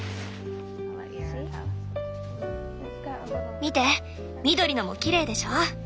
見て緑のもきれいでしょ。